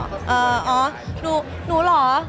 นะหนูหรอ